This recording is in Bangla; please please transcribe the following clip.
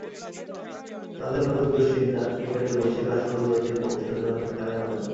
তাদের নতুন দুশ্চিন্তা, ক্রিকেটের বৈশ্বিক আসরগুলোতে ভবিষ্যতে হয়তো খেলাই হবে না।